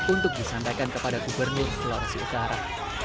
untuk disampaikan kepada gubernur sulawesi utara